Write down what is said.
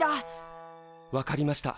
わかりました。